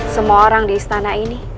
semua orang di istana ini